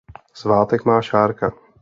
Svátek má Šárka.